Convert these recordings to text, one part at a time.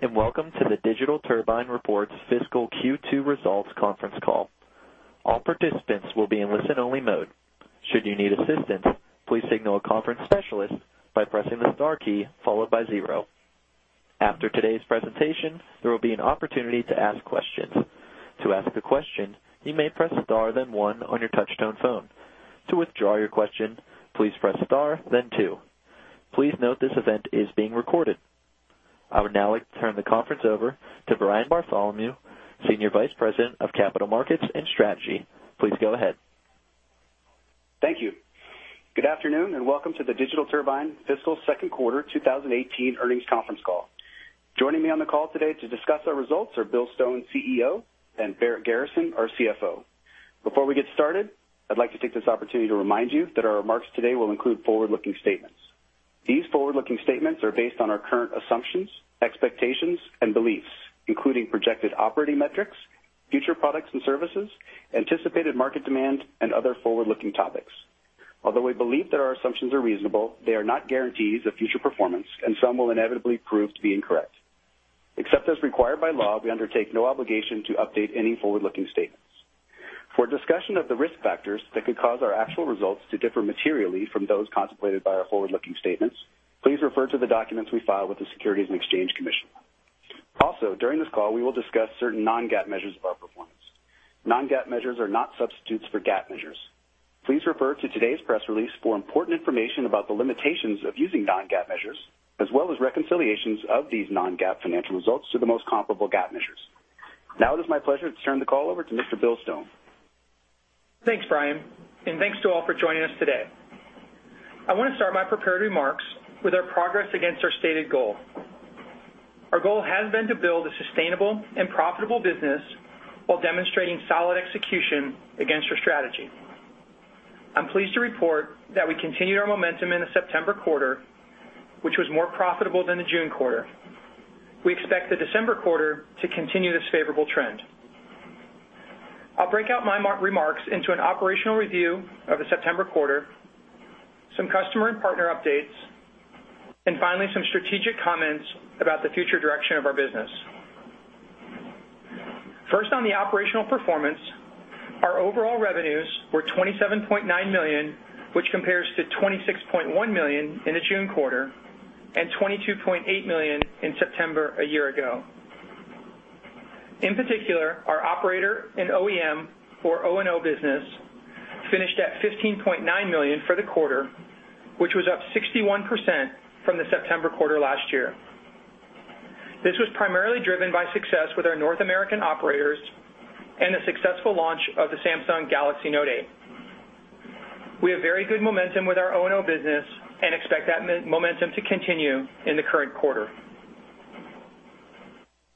Good day. Welcome to the Digital Turbine Reports Fiscal Q2 Results Conference Call. All participants will be in listen-only mode. Should you need assistance, please signal a conference specialist by pressing the star key followed by 0. After today's presentation, there will be an opportunity to ask questions. To ask a question, you may press star, then 1 on your touch-tone phone. To withdraw your question, please press star, then 2. Please note this event is being recorded. I would now like to turn the conference over to Brian Bartholomew, Senior Vice President of Capital Markets and Strategy. Please go ahead. Thank you. Good afternoon. Welcome to the Digital Turbine Fiscal Second Quarter 2018 Earnings Conference Call. Joining me on the call today to discuss our results are Bill Stone, CEO, and Barrett Garrison, our CFO. Before we get started, I'd like to take this opportunity to remind you that our remarks today will include forward-looking statements. These forward-looking statements are based on our current assumptions, expectations, and beliefs, including projected operating metrics, future products and services, anticipated market demand, and other forward-looking topics. Although we believe that our assumptions are reasonable, they are not guarantees of future performance, and some will inevitably prove to be incorrect. Except as required by law, we undertake no obligation to update any forward-looking statements. For a discussion of the risk factors that could cause our actual results to differ materially from those contemplated by our forward-looking statements, please refer to the documents we file with the Securities and Exchange Commission. During this call, we will discuss certain non-GAAP measures of our performance. Non-GAAP measures are not substitutes for GAAP measures. Please refer to today's press release for important information about the limitations of using non-GAAP measures, as well as reconciliations of these non-GAAP financial results to the most comparable GAAP measures. Now it is my pleasure to turn the call over to Mr. Bill Stone. Thanks, Brian. Thanks to all for joining us today. I want to start my prepared remarks with our progress against our stated goal. Our goal has been to build a sustainable and profitable business while demonstrating solid execution against our strategy. I'm pleased to report that we continued our momentum in the September quarter, which was more profitable than the June quarter. We expect the December quarter to continue this favorable trend. I'll break out my remarks into an operational review of the September quarter, some customer and partner updates, and finally, some strategic comments about the future direction of our business. First, on the operational performance, our overall revenues were $27.9 million, which compares to $26.1 million in the June quarter and $22.8 million in September a year ago. In particular, our operator and OEM or O&O business finished at $15.9 million for the quarter, which was up 61% from the September quarter last year. This was primarily driven by success with our North American operators and the successful launch of the Samsung Galaxy Note8. We have very good momentum with our O&O business and expect that momentum to continue in the current quarter.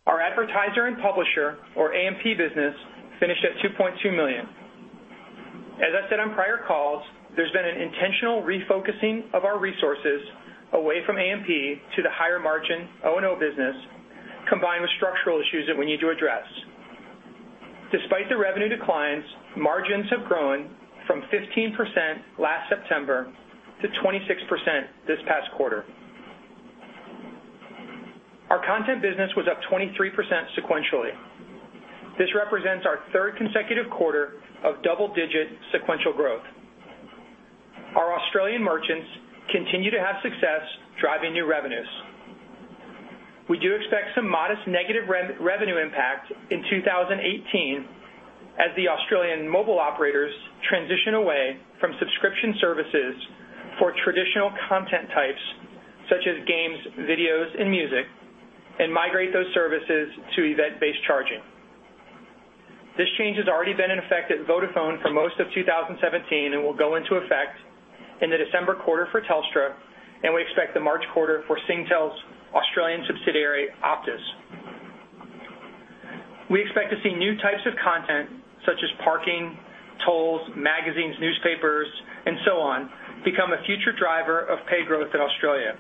Our advertiser and publisher, or A&P business, finished at $2.2 million. As I said on prior calls, there's been an intentional refocusing of our resources away from A&P to the higher-margin O&O business, combined with structural issues that we need to address. Despite the revenue declines, margins have grown from 15% last September to 26% this past quarter. Our content business was up 23% sequentially. This represents our third consecutive quarter of double-digit sequential growth. Our Australian merchants continue to have success driving new revenues. We do expect some modest negative revenue impact in 2018 as the Australian mobile operators transition away from subscription services for traditional content types such as games, videos, and music, and migrate those services to event-based charging. This change has already been in effect at Vodafone for most of 2017 and will go into effect in the December quarter for Telstra, and we expect the March quarter for Singtel's Australian subsidiary, Optus. We expect to see new types of content, such as parking, tolls, magazines, newspapers, and so on, become a future driver of paid growth in Australia.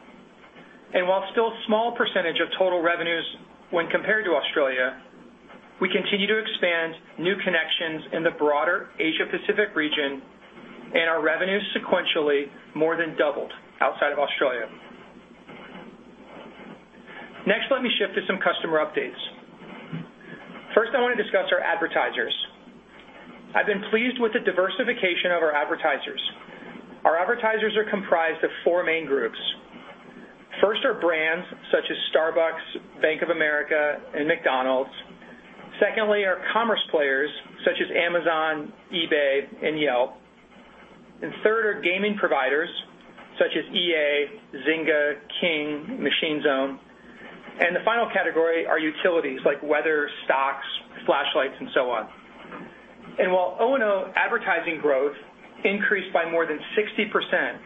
While still small percentage of total revenues when compared to Australia, we continue to expand new connections in the broader Asia-Pacific region, and our revenues sequentially more than doubled outside of Australia. Next, let me shift to some customer updates. First, I want to discuss our advertisers. I've been pleased with the diversification of our advertisers. Our advertisers are comprised of four main groups. First are brands such as Starbucks, Bank of America, and McDonald's. Secondly are commerce players such as Amazon, eBay, and Yelp. Third are gaming providers such as EA, Zynga, King, Machine Zone. The final category are utilities like weather, stocks, flashlights, and so on. While O&O advertising growth increased by more than 60%,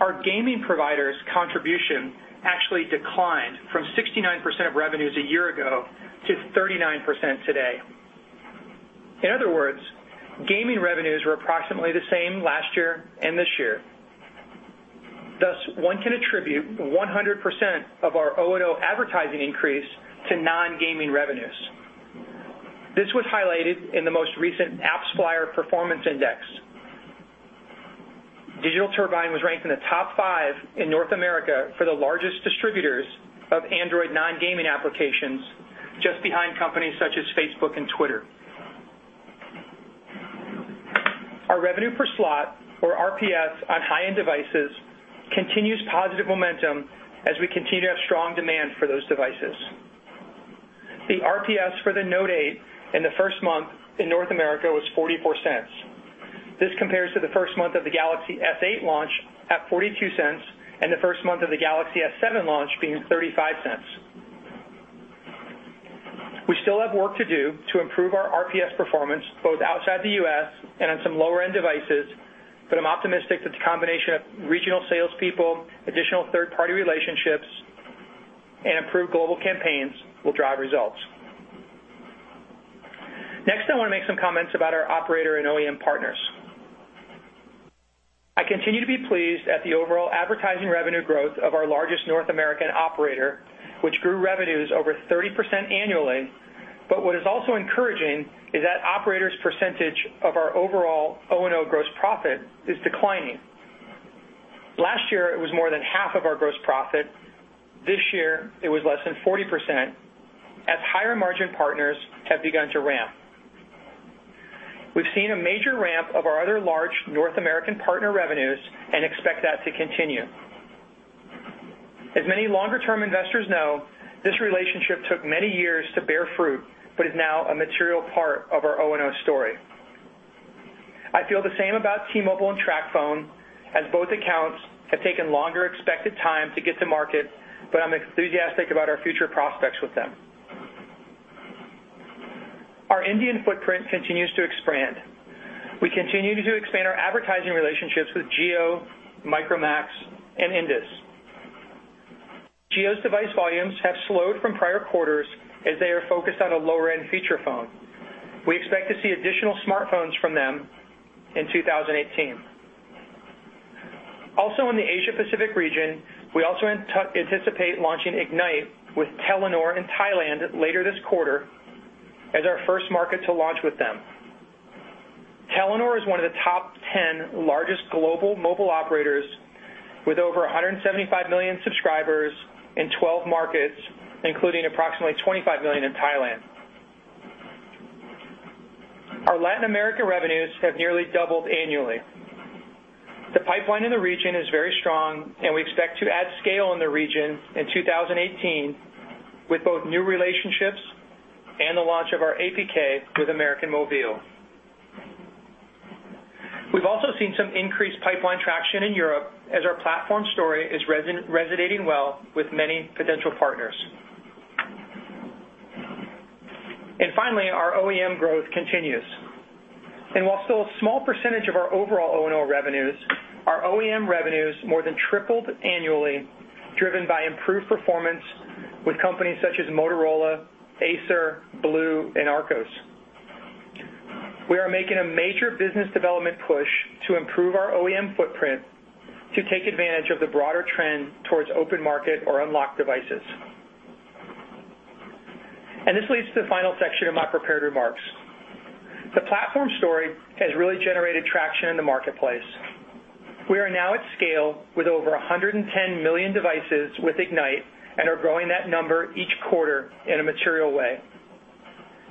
our gaming providers' contribution actually declined from 69% of revenues a year ago to 39% today. In other words, gaming revenues were approximately the same last year and this year. Thus, one can attribute 100% of our O&O advertising increase to non-gaming revenues. This was highlighted in the most recent AppsFlyer Performance Index Digital Turbine was ranked in the top five in North America for the largest distributors of Android non-gaming applications, just behind companies such as Facebook and Twitter. Our revenue per slot, or RPS, on high-end devices continues positive momentum as we continue to have strong demand for those devices. The RPS for the Note8 in the first month in North America was $0.44. This compares to the first month of the Galaxy S8 launch at $0.42 and the first month of the Galaxy S7 launch being $0.35. We still have work to do to improve our RPS performance, both outside the U.S. and on some lower-end devices, but I'm optimistic that the combination of regional salespeople, additional third-party relationships, and improved global campaigns will drive results. Next, I want to make some comments about our operator and OEM partners. I continue to be pleased at the overall advertising revenue growth of our largest North American operator, which grew revenues over 30% annually. What is also encouraging is that operators' percentage of our overall O&O gross profit is declining. Last year, it was more than half of our gross profit. This year, it was less than 40%, as higher-margin partners have begun to ramp. We've seen a major ramp of our other large North American partner revenues and expect that to continue. As many longer-term investors know, this relationship took many years to bear fruit but is now a material part of our O&O story. I feel the same about T-Mobile and TracFone, as both accounts have taken longer expected time to get to market, but I'm enthusiastic about our future prospects with them. Our Indian footprint continues to expand. We continue to expand our advertising relationships with Jio, Micromax, and Indus. Jio's device volumes have slowed from prior quarters as they are focused on a lower-end feature phone. We expect to see additional smartphones from them in 2018. In the Asia-Pacific region, we also anticipate launching Ignite with Telenor in Thailand later this quarter as our first market to launch with them. Telenor is one of the top 10 largest global mobile operators with over 175 million subscribers in 12 markets, including approximately 25 million in Thailand. Our Latin America revenues have nearly doubled annually. The pipeline in the region is very strong, and we expect to add scale in the region in 2018 with both new relationships and the launch of our APK with América Móvil. We've also seen some increased pipeline traction in Europe as our platform story is resonating well with many potential partners. Finally, our OEM growth continues. While still a small percentage of our overall O&O revenues, our OEM revenues more than tripled annually, driven by improved performance with companies such as Motorola, Acer, BLU, and Archos. We are making a major business development push to improve our OEM footprint to take advantage of the broader trend towards open market or unlocked devices. This leads to the final section of my prepared remarks. The platform story has really generated traction in the marketplace. We are now at scale with over 110 million devices with Ignite and are growing that number each quarter in a material way.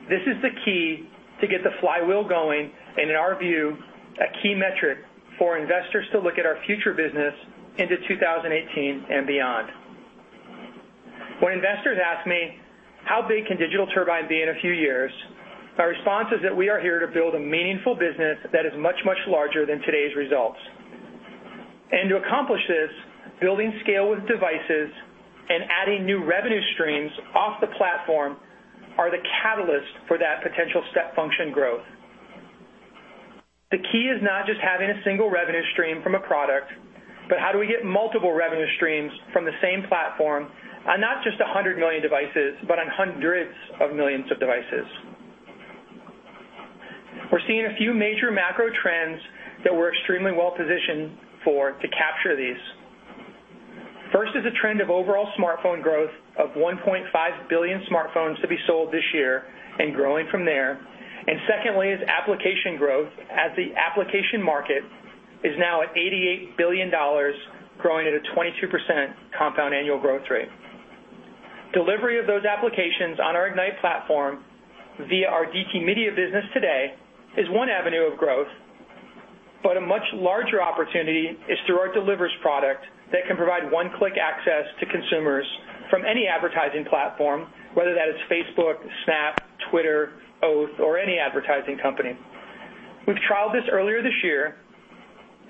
This is the key to get the flywheel going and, in our view, a key metric for investors to look at our future business into 2018 and beyond. When investors ask me, "How big can Digital Turbine be in a few years?" My response is that we are here to build a meaningful business that is much, much larger than today's results. To accomplish this, building scale with devices and adding new revenue streams off the platform are the catalyst for that potential step function growth. The key is not just having a single revenue stream from a product, but how do we get multiple revenue streams from the same platform on not just 100 million devices, but on hundreds of millions of devices. We're seeing a few major macro trends that we're extremely well-positioned for to capture these. First is the trend of overall smartphone growth of 1.5 billion smartphones to be sold this year and growing from there. Secondly is application growth, as the application market is now at $88 billion, growing at a 22% compound annual growth rate. Delivery of those applications on our Ignite platform via our DT Media business today is one avenue of growth, but a much larger opportunity is through our SingleTap product that can provide one-click access to consumers from any advertising platform, whether that is Facebook, Snap, Twitter, Oath, or any advertising company. We've trialed this earlier this year,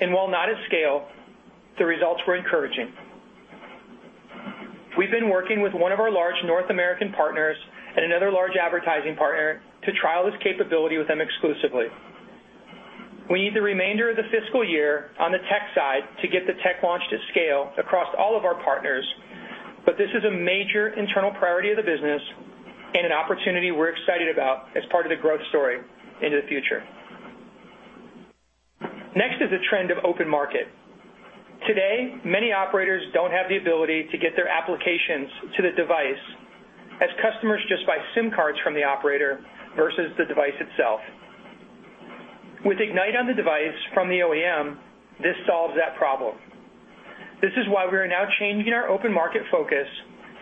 and while not at scale, the results were encouraging. We've been working with one of our large North American partners and another large advertising partner to trial this capability with them exclusively. We need the remainder of the fiscal year on the tech side to get the tech launch to scale across all of our partners. This is a major internal priority of the business and an opportunity we're excited about as part of the growth story into the future. Next is the trend of open market. Today, many operators don't have the ability to get their applications to the device, as customers just buy SIM cards from the operator versus the device itself. With Ignite on the device from the OEM, this solves that problem. This is why we are now changing our open market focus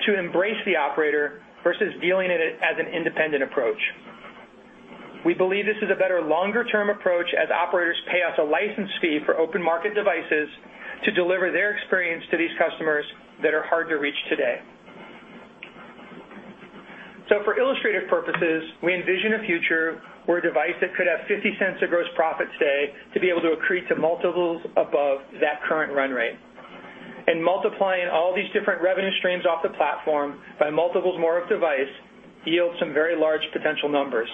to embrace the operator versus dealing it as an independent approach. We believe this is a better longer-term approach as operators pay us a license fee for open-market devices to deliver their experience to these customers that are hard to reach today. For illustrative purposes, we envision a future where a device that could have $0.50 of gross profit today to be able to accrete to multiples above that current run rate. Multiplying all these different revenue streams off the platform by multiples more of device yields some very large potential numbers.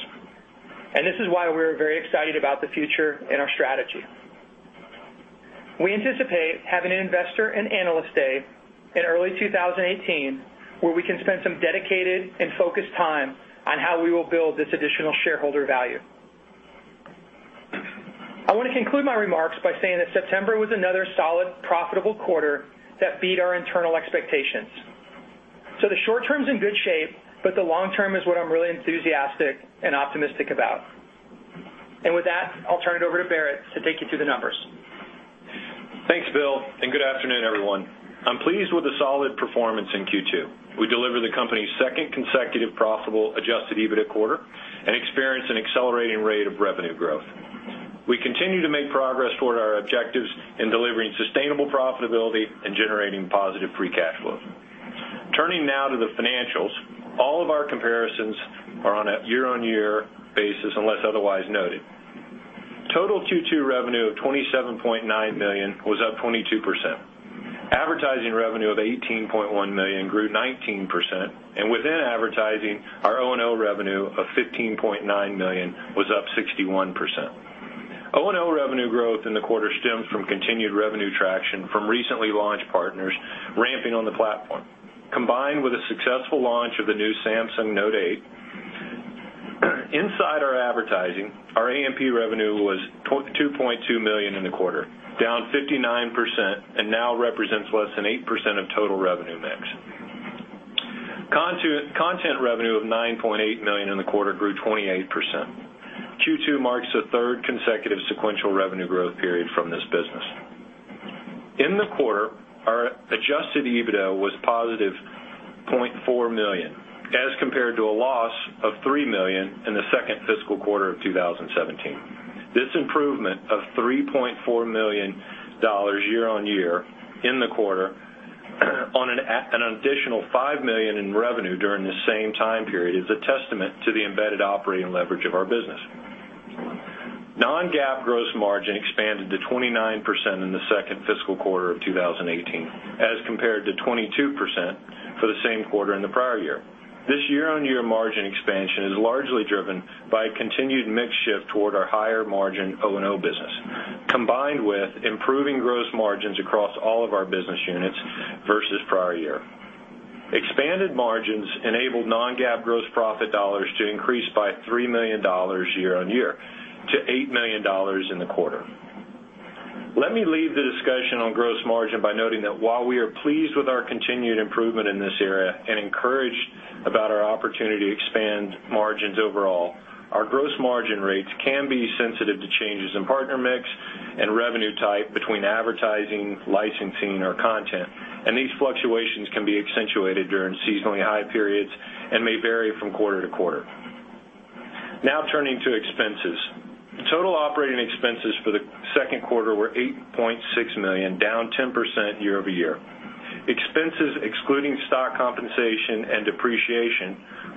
This is why we're very excited about the future and our strategy. We anticipate having an investor and analyst day in early 2018, where we can spend some dedicated and focused time on how we will build this additional shareholder value. I want to conclude my remarks by saying that September was another solid, profitable quarter that beat our internal expectations. The short-term's in good shape, but the long-term is what I'm really enthusiastic and optimistic about. With that, I'll turn it over to Barrett to take you through the numbers. Thanks, Bill, and good afternoon, everyone. I'm pleased with the solid performance in Q2. We delivered the company's second consecutive profitable adjusted EBITDA quarter and experienced an accelerating rate of revenue growth. We continue to make progress toward our objectives in delivering sustainable profitability and generating positive free cash flow. Turning now to the financials. All of our comparisons are on a year-on-year basis unless otherwise noted. Total Q2 revenue of $27.9 million was up 22%. Advertising revenue of $18.1 million grew 19%. Within advertising, our O&O revenue of $15.9 million was up 61%. O&O revenue growth in the quarter stemmed from continued revenue traction from recently launched partners ramping on the platform, combined with a successful launch of the new Samsung Note 8. Inside our advertising, our A&P revenue was $2.2 million in the quarter, down 59%, and now represents less than 8% of total revenue mix. Content revenue of $9.8 million in the quarter grew 28%. Q2 marks the third consecutive sequential revenue growth period from this business. In the quarter, our adjusted EBITDA was positive $0.4 million, as compared to a loss of $3 million in the second fiscal quarter of 2017. This improvement of $3.4 million year-on-year in the quarter on an additional $5 million in revenue during the same time period is a testament to the embedded operating leverage of our business. Non-GAAP gross margin expanded to 29% in the second fiscal quarter of 2018 as compared to 22% for the same quarter in the prior year. This year-on-year margin expansion is largely driven by a continued mix shift toward our higher margin O&O business, combined with improving gross margins across all of our business units versus prior year. Expanded margins enabled non-GAAP gross profit dollars to increase by $3 million year-on-year to $8 million in the quarter. Let me leave the discussion on gross margin by noting that while we are pleased with our continued improvement in this area and encouraged about our opportunity to expand margins overall, our gross margin rates can be sensitive to changes in partner mix and revenue type between advertising, licensing, or content, and these fluctuations can be accentuated during seasonally high periods and may vary from quarter to quarter. Turning to expenses. Total operating expenses for the second quarter were $8.6 million, down 10% year-over-year. Expenses excluding stock compensation and depreciation,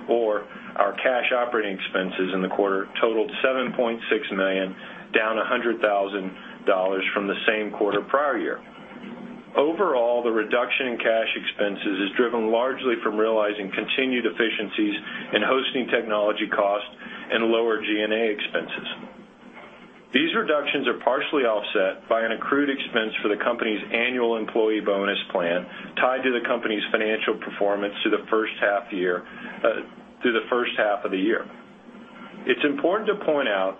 or our cash operating expenses in the quarter totaled $7.6 million, down $100,000 from the same quarter prior year. Overall, the reduction in cash expenses is driven largely from realizing continued efficiencies in hosting technology costs and lower G&A expenses. These reductions are partially offset by an accrued expense for the company's annual employee bonus plan tied to the company's financial performance through the first half of the year. It's important to point out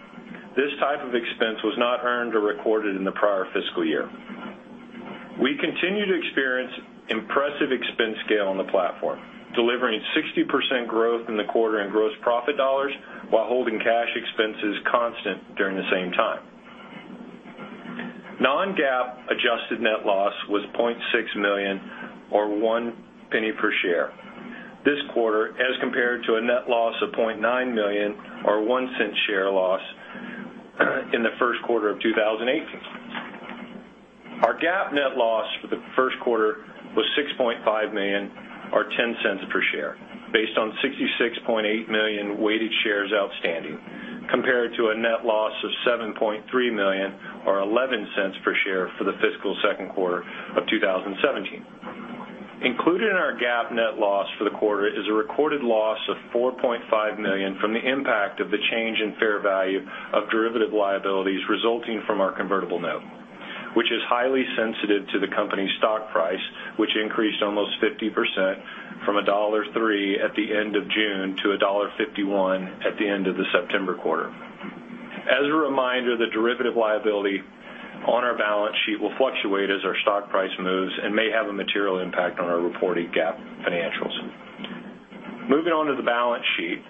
this type of expense was not earned or recorded in the prior fiscal year. We continue to experience impressive expense scale on the platform, delivering 60% growth in the quarter in gross profit dollars while holding cash expenses constant during the same time. Non-GAAP adjusted net loss was $0.6 million or $0.01 per share this quarter as compared to a net loss of $0.9 million or $0.01 share loss in the first quarter of 2018. Our GAAP net loss for the first quarter was $6.5 million or $0.10 per share, based on 66.8 million weighted shares outstanding, compared to a net loss of $7.3 million or $0.11 per share for the fiscal second quarter of 2017. Included in our GAAP net loss for the quarter is a recorded loss of $4.5 million from the impact of the change in fair value of derivative liabilities resulting from our convertible note, which is highly sensitive to the company's stock price, which increased almost 50% from $1.03 at the end of June to $1.51 at the end of the September quarter. As a reminder, the derivative liability on our balance sheet will fluctuate as our stock price moves and may have a material impact on our reported GAAP financials. Moving on to the balance sheet.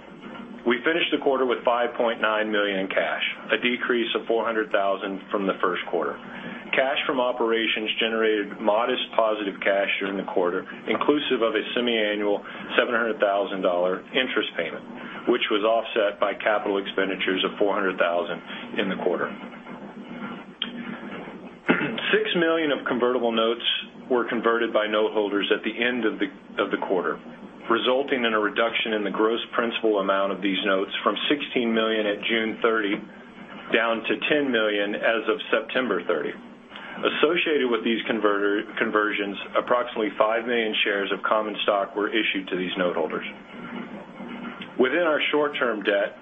We finished the quarter with $5.9 million in cash, a decrease of $400,000 from the first quarter. Cash from operations generated modest positive cash during the quarter, inclusive of a semiannual $700,000 interest payment, which was offset by capital expenditures of $400,000 in the quarter. $6 million of convertible notes were converted by note holders at the end of the quarter, resulting in a reduction in the gross principal amount of these notes from $16 million at June 30 down to $10 million as of September 30. Associated with these conversions, approximately 5 million shares of common stock were issued to these note holders. Within our short-term debt,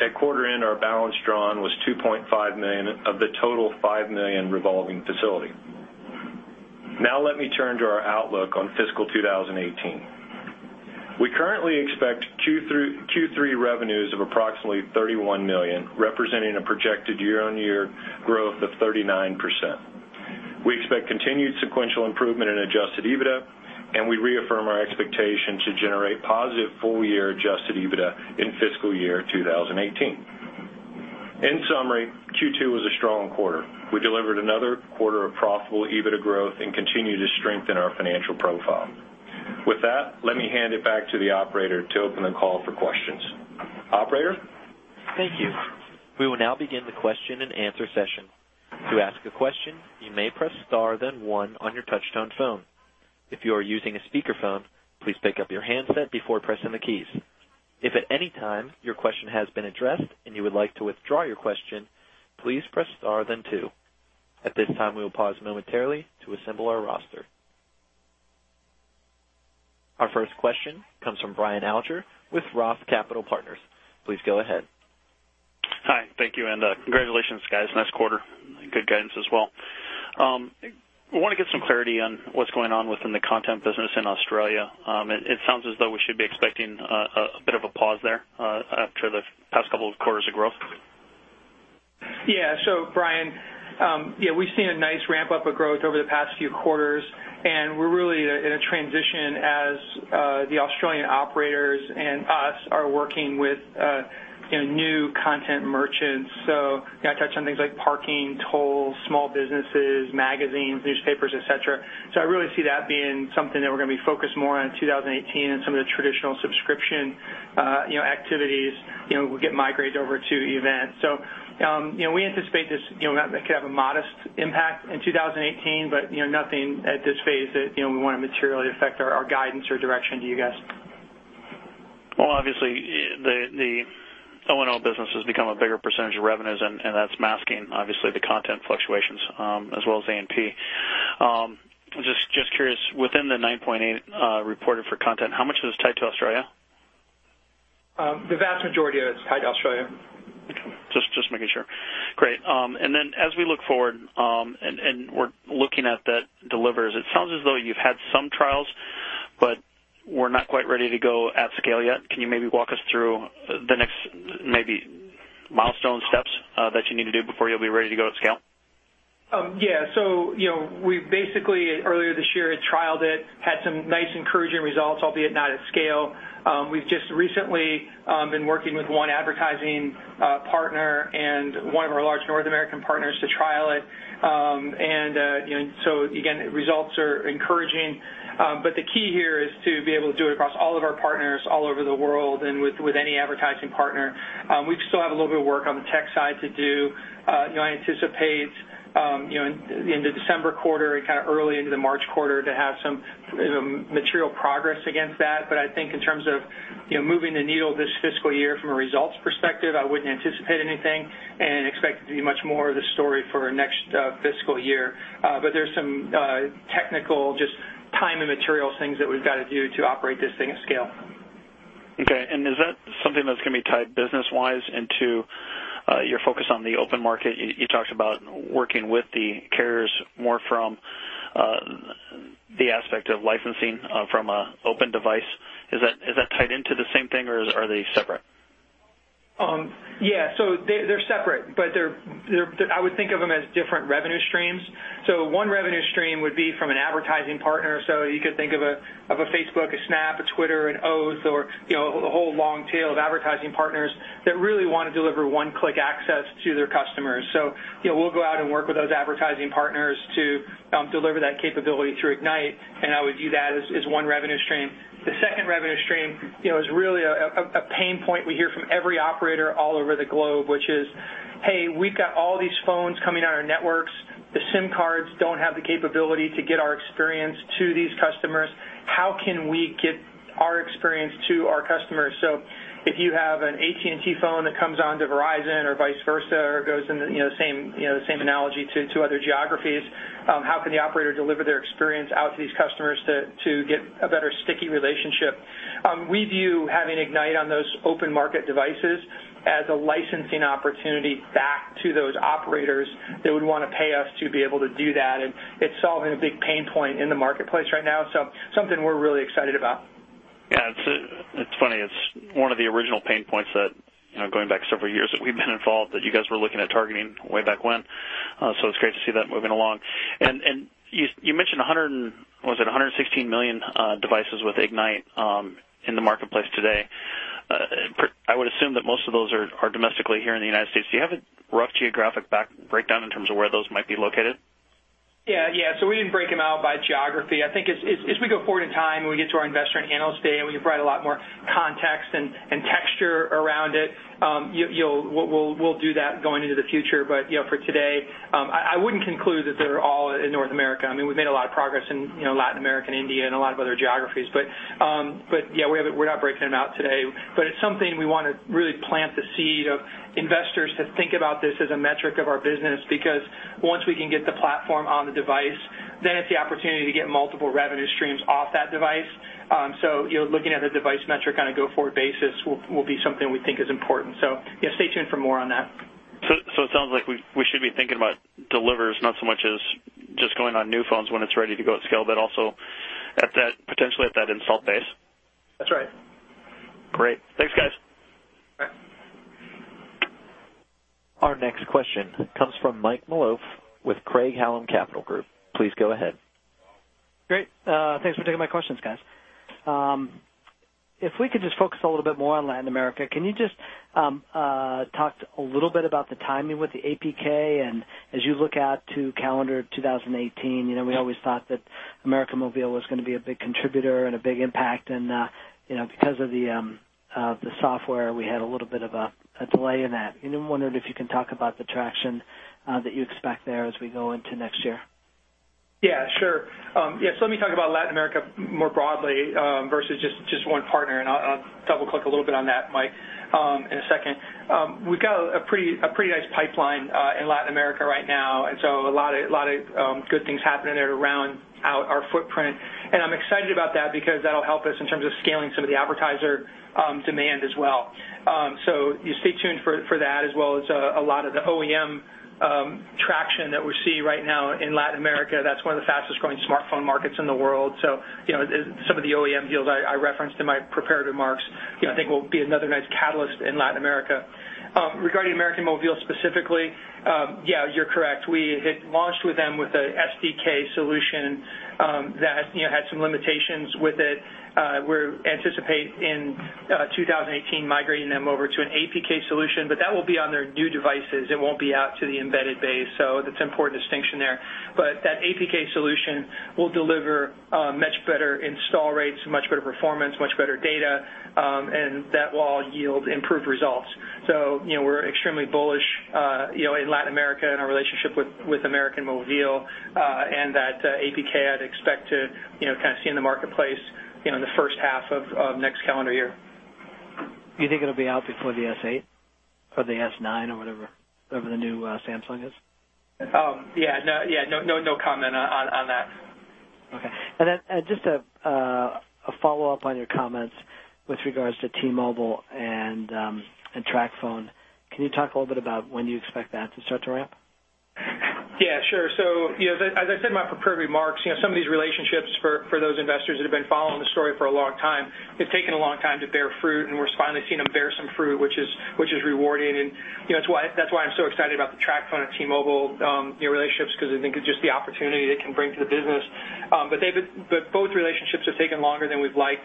at quarter end, our balance drawn was $2.5 million of the total $5 million revolving facility. Now let me turn to our outlook on fiscal 2018. We currently expect Q3 revenues of approximately $31 million, representing a projected year-on-year growth of 39%. We expect continued sequential improvement in adjusted EBITDA, and we reaffirm our expectation to generate positive full year adjusted EBITDA in fiscal year 2018. In summary, Q2 was a strong quarter. We delivered another quarter of profitable EBITDA growth and continue to strengthen our financial profile. With that, let me hand it back to the operator to open the call for questions. Operator? Thank you. We will now begin the question and answer session. To ask a question, you may press star then one on your touch-tone phone. If you are using a speakerphone, please pick up your handset before pressing the keys. If at any time your question has been addressed and you would like to withdraw your question, please press star then two. At this time, we will pause momentarily to assemble our roster. Our first question comes from Brian Alger with Roth Capital Partners. Please go ahead. Hi. Thank you, and congratulations, guys. Nice quarter, and good guidance as well. We want to get some clarity on what's going on within the content business in Australia. It sounds as though we should be expecting a bit of a pause there after the past couple of quarters of growth. Brian, we've seen a nice ramp-up of growth over the past few quarters, and we're really in a transition as the Australian operators and us are working with new content merchants. I touch on things like parking, tolls, small businesses, magazines, newspapers, et cetera. I really see that being something that we're going to be focused more on in 2018 and some of the traditional subscription activities will get migrated over to Event. We anticipate this could have a modest impact in 2018, but nothing at this phase that we want to materially affect our guidance or direction to you guys. Obviously, the O&O business has become a bigger percentage of revenues, and that's masking, obviously, the content fluctuations, as well as A&P. Just curious, within the 9.8 reported for content, how much of this is tied to Australia? The vast majority is tied to Australia. Okay. Just making sure. Great. As we look forward, and we're looking at that SingleTap, it sounds as though you've had some trials, but were not quite ready to go at scale yet. Can you maybe walk us through the next maybe milestone steps that you need to do before you'll be ready to go at scale? Yeah. We basically, earlier this year, had trialed it, had some nice encouraging results, albeit not at scale. We've just recently been working with one advertising partner and one of our large North American partners to trial it. Again, results are encouraging. The key here is to be able to do it across all of our partners all over the world and with any advertising partner. We still have a little bit of work on the tech side to do. I anticipate in the December quarter and early into the March quarter to have some material progress against that. I think in terms of moving the needle this fiscal year from a results perspective, I wouldn't anticipate anything and expect it to be much more of the story for next fiscal year. There's some technical, just time and material things that we've got to do to operate this thing at scale. Okay. Is that something that's going to be tied business-wise into your focus on the open market? You talked about working with the carriers more from the aspect of licensing from an open device. Is that tied into the same thing, or are they separate? Yeah. They're separate, I would think of them as different revenue streams. One revenue stream would be from an advertising partner. You could think of a Facebook, a Snap, a Twitter, an Oath, or a whole long tail of advertising partners that really want to deliver one-click access to their customers. We'll go out and work with those advertising partners to deliver that capability through Ignite, and I would view that as one revenue stream. The second revenue stream is really a pain point we hear from every operator all over the globe, which is, "Hey, we've got all these phones coming on our networks. The SIM cards don't have the capability to get our experience to these customers. How can we get our experience to our customers?" If you have an AT&T phone that comes onto Verizon or vice versa, or goes in the same analogy to other geographies, how can the operator deliver their experience out to these customers to get a better sticky relationship? We view having Ignite on those open market devices as a licensing opportunity back to those operators that would want to pay us to be able to do that, and it's solving a big pain point in the marketplace right now. Something we're really excited about. It's funny, it's one of the original pain points that, going back several years, that we've been involved, that you guys were looking at targeting way back when. It's great to see that moving along. You mentioned, was it 116 million devices with Ignite in the marketplace today? I would assume that most of those are domestically here in the U.S. Do you have a rough geographic breakdown in terms of where those might be located? Yeah. We didn't break them out by geography. I think as we go forward in time, when we get to our investor and analyst day, and we can provide a lot more context and texture around it, we'll do that going into the future. For today, I wouldn't conclude that they're all in North America. We've made a lot of progress in Latin America and India and a lot of other geographies. Yeah, we're not breaking them out today, but it's something we want to really plant the seed of investors to think about this as a metric of our business. Once we can get the platform on the device, it's the opportunity to get multiple revenue streams off that device. Looking at a device metric on a go-forward basis will be something we think is important. Yeah, stay tuned for more on that. It sounds like we should be thinking about SingleTap not so much as just going on new phones when it's ready to go at scale, but also potentially at that installed base. That's right. Great. Thanks, guys. All right. Our next question comes from Mike Malouf with Craig-Hallum Capital Group. Please go ahead. Great. Thanks for taking my questions, guys. If we could just focus a little bit more on Latin America, can you just talk a little bit about the timing with the APK? As you look out to calendar 2018, we always thought that América Móvil was going to be a big contributor and a big impact and, because of the software, we had a little bit of a delay in that. Wondering if you can talk about the traction that you expect there as we go into next year. Yeah, sure. Let me talk about Latin America more broadly, versus just one partner, and I'll double-click a little bit on that, Mike, in a second. We've got a pretty nice pipeline in Latin America right now, a lot of good things happening there to round out our footprint. I'm excited about that because that'll help us in terms of scaling some of the advertiser demand as well. Stay tuned for that, as well as a lot of the OEM traction that we see right now in Latin America. That's one of the fastest-growing smartphone markets in the world. Some of the OEM deals I referenced in my prepared remarks, I think will be another nice catalyst in Latin America. Regarding América Móvil specifically, yeah, you're correct. We had launched with them with a SDK solution that had some limitations with it. We anticipate in 2018 migrating them over to an APK solution, but that will be on their new devices. It won't be out to the embedded base. That's an important distinction there. That APK solution will deliver much better install rates, much better performance, much better data, and that will all yield improved results. We're extremely bullish, in Latin America and our relationship with América Móvil, and that APK, I'd expect to see in the marketplace in the first half of next calendar year. Do you think it'll be out before the S8 or the S9 or whatever the new Samsung is? Yeah. No comment on that. Okay. Just a follow-up on your comments with regards to T-Mobile and TracFone. Can you talk a little bit about when do you expect that to start to ramp? Yeah, sure. As I said in my prepared remarks, some of these relationships, for those investors that have been following the story for a long time, have taken a long time to bear fruit, and we're finally seeing them bear some fruit, which is rewarding. That's why I'm so excited about the TracFone and T-Mobile relationships, because I think of just the opportunity they can bring to the business. Both relationships have taken longer than we've liked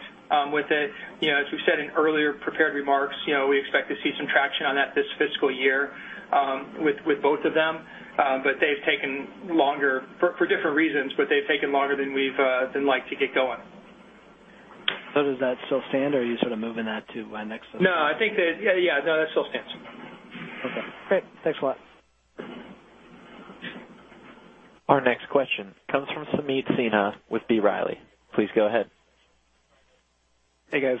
with it. As we've said in earlier prepared remarks, we expect to see some traction on that this fiscal year, with both of them. They've taken longer, for different reasons, but they've taken longer than we've liked to get going. Does that still stand, or are you sort of moving that? No, that still stands. Okay, great. Thanks a lot. Our next question comes from Sumeet Sinha with B. Riley. Please go ahead. Hey, guys.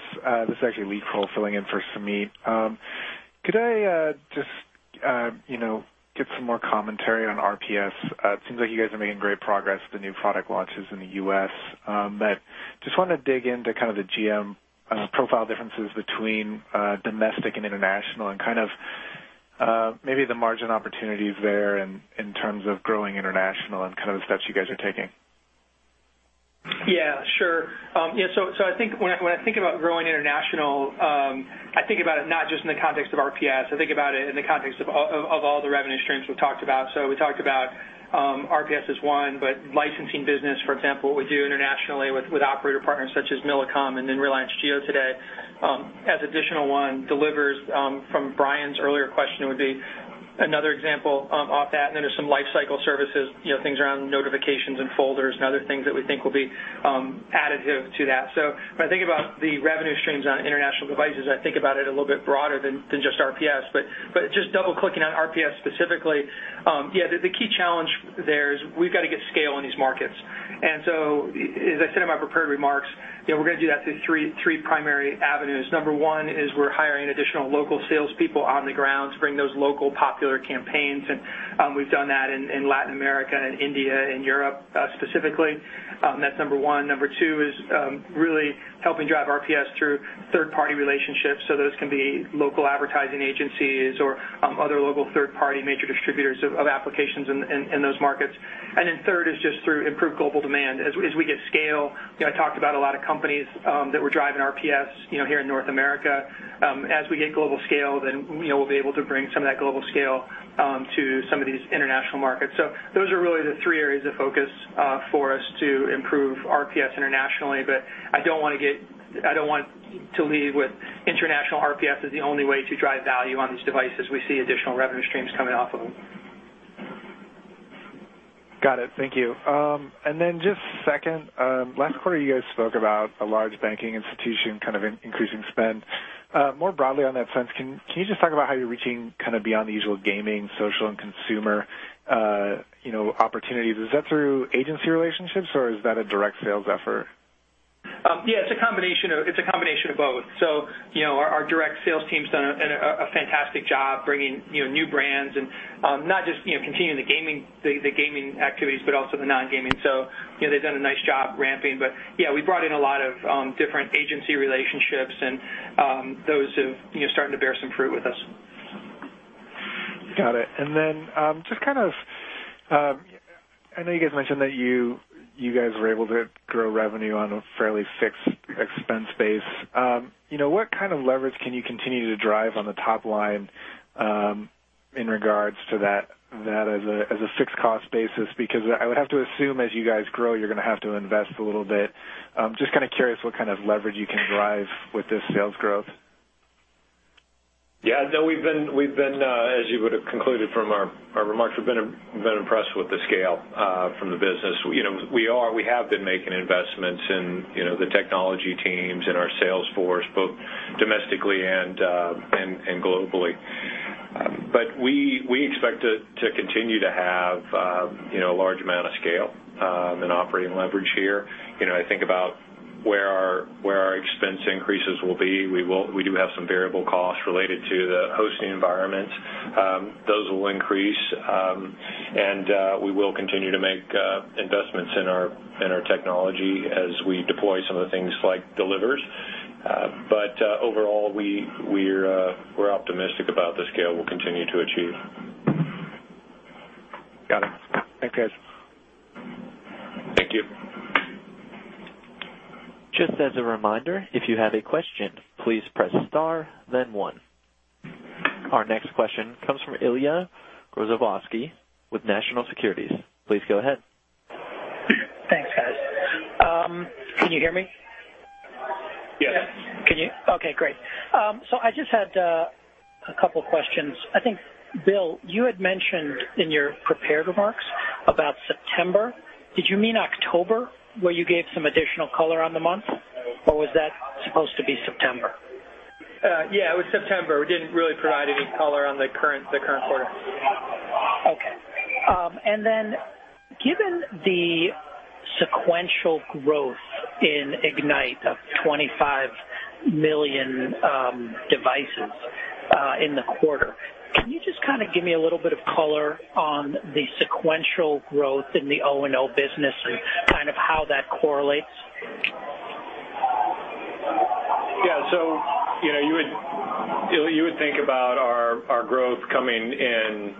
This is actually Lee Krowl filling in for Sumeet. Could I just get some more commentary on RPS? It seems like you guys are making great progress with the new product launches in the U.S. Just want to dig into kind of the GM profile differences between domestic and international and kind of maybe the margin opportunities there in terms of growing international and kind of the steps you guys are taking. Yeah, sure. I think when I think about growing international, I think about it not just in the context of RPS, I think about it in the context of all the revenue streams we've talked about. We talked about RPS as one, but licensing business, for example, we do internationally with operator partners such as Millicom and then Reliance Jio today. As additional one, SingleTap, from Brian's earlier question, would be another example off that, and then there's some lifecycle services, things around notifications and folders and other things that we think will be additive to that. When I think about the revenue streams on international devices, I think about it a little bit broader than just RPS. Just double-clicking on RPS specifically, yeah, the key challenge there is we've got to get scale in these markets. As I said in my prepared remarks, we're going to do that through three primary avenues. Number one is we're hiring additional local salespeople on the ground to bring those local popular campaigns, and we've done that in Latin America and India and Europe, specifically. That's number one. Number two is really helping drive RPS through third-party relationships. Those can be local advertising agencies or other local third-party major distributors of applications in those markets. Third is just through improved global demand. As we get scale, I talked about a lot of companies that were driving RPS here in North America. As we get global scale, we'll be able to bring some of that global scale to some of these international markets. Those are really the three areas of focus for us to improve RPS internationally. I don't want to lead with international RPS as the only way to drive value on these devices. We see additional revenue streams coming off of them. Got it. Thank you. Just second, last quarter, you guys spoke about a large banking institution kind of increasing spend. More broadly on that sense, can you just talk about how you're reaching beyond the usual gaming, social, and consumer opportunities? Is that through agency relationships, or is that a direct sales effort? It's a combination of both. Our direct sales team's done a fantastic job bringing new brands and not just continuing the gaming activities, but also the non-gaming. They've done a nice job ramping. We brought in a lot of different agency relationships and those have started to bear some fruit with us. Got it. I know you guys mentioned that you guys were able to grow revenue on a fairly fixed expense base. What kind of leverage can you continue to drive on the top line in regards to that as a fixed cost basis? Because I would have to assume as you guys grow, you're going to have to invest a little bit. Just kind of curious what kind of leverage you can drive with this sales growth. As you would have concluded from our remarks, we've been impressed with the scale from the business. We have been making investments in the technology teams and our sales force, both domestically and globally. We expect to continue to have a large amount of scale and operating leverage here. I think about where our expense increases will be. We do have some variable costs related to the hosting environments. Those will increase, and we will continue to make investments in our technology as we deploy some of the things like Delivers. We're optimistic about the scale we'll continue to achieve. Got it. Thanks, guys. Thank you. Just as a reminder, if you have a question, please press star then one. Our next question comes from Ilya Grushevskiy with National Securities. Please go ahead. Thanks, guys. Can you hear me? Yes. Can you? Okay, great. I just had a couple questions. I think, Bill, you had mentioned in your prepared remarks about September. Did you mean October where you gave some additional color on the month, or was that supposed to be September? Yeah, it was September. We didn't really provide any color on the current quarter. Okay. Then given the sequential growth in Ignite of 25 million devices in the quarter, can you just give me a little bit of color on the sequential growth in the O&O business and kind of how that correlates? Yeah. You would think about our growth coming in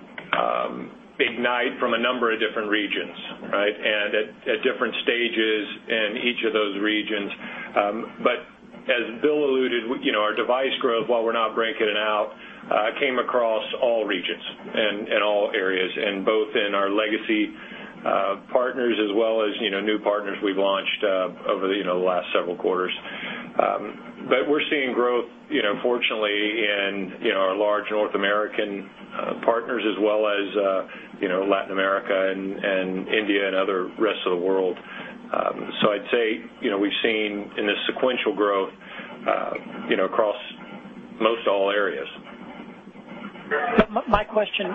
Ignite from a number of different regions, right? At different stages in each of those regions. As Bill alluded, our device growth, while we're not breaking it out, came across all regions and all areas and both in our legacy partners as well as new partners we've launched over the last several quarters. We're seeing growth, fortunately, in our large North American partners as well as Latin America and India and other rest of the world. I'd say, we've seen in the sequential growth across most all areas. My question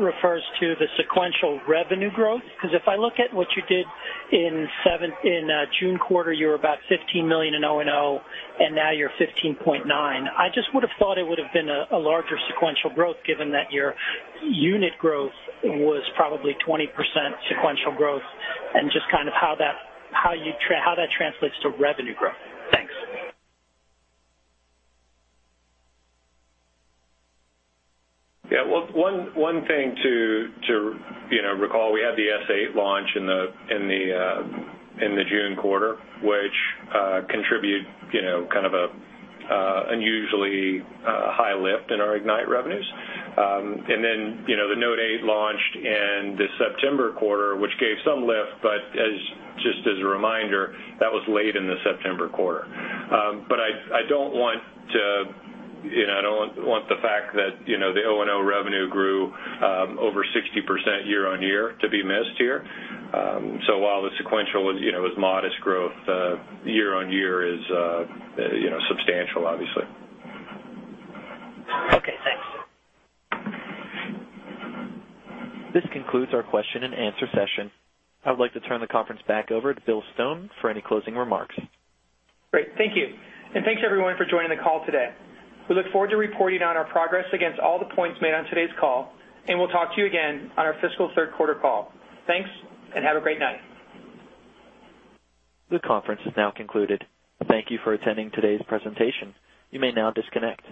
refers to the sequential revenue growth, because if I look at what you did in June quarter, you were about $15 million in O&O, and now you're $15.9. I just would have thought it would have been a larger sequential growth given that your unit growth was probably 20% sequential growth and just how that translates to revenue growth. Thanks. One thing to recall, we had the S8 launch in the June quarter, which contributed kind of an unusually high lift in our Ignite revenues. The Note 8 launched in the September quarter, which gave some lift, but just as a reminder, that was late in the September quarter. I don't want the fact that the O&O revenue grew over 60% year-on-year to be missed here. While the sequential was modest growth, year-on-year is substantial, obviously. Okay, thanks. This concludes our question and answer session. I would like to turn the conference back over to Bill Stone for any closing remarks. Great. Thank you. Thanks everyone for joining the call today. We look forward to reporting on our progress against all the points made on today's call, and we'll talk to you again on our fiscal third quarter call. Thanks. Have a great night. This conference is now concluded. Thank you for attending today's presentation. You may now disconnect.